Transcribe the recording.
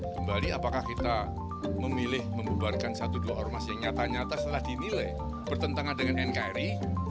kembali apakah kita memilih membubarkan satu dua ormas yang nyata nyata setelah dinilai bertentangan dengan nkri